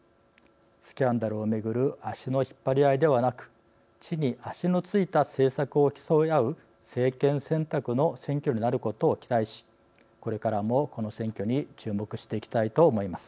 スキャンダルをめぐる足の引っ張り合いではなく地に足のついた政策を競い合う政権選択の選挙になることを期待し、これからもこの選挙に注目していきたいと思います。